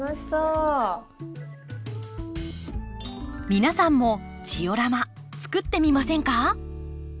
皆さんもジオラマ作ってみませんか？